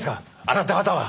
あなた方は。